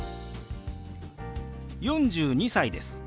４２歳です。